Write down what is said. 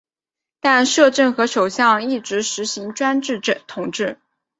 但摄政和首相一直施行专制统治。